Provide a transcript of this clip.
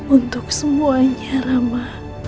untuk semuanya rama